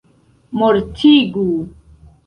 mortigu